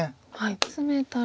ツメたら。